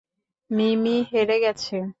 মিমি হেরে গেছে!